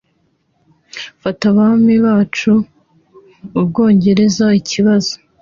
fata abami bacu mubwongereza ikibazo